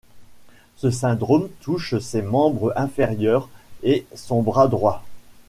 Ce syndrome touche ses membres inférieurs et son bras droit.